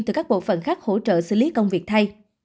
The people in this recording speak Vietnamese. từ các bộ phận khác hỗ trợ xử lý công việc thay